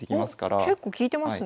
おっ結構利いてますね。